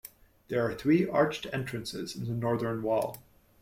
There are three arched entrances in the northern wall.